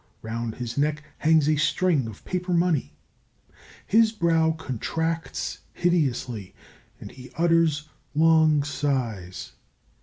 Round his neck hangs a string of paper money; his brow contracts hideously, and he utters long sighs.